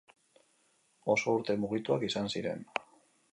Oso urte mugituak izan ziren.